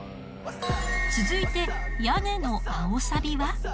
続いて屋根の青サビは？